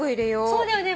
そうだよね